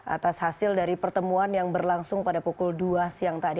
atas hasil dari pertemuan yang berlangsung pada pukul dua siang tadi